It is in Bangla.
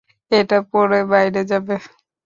এটা পরে বাইরে যাবে?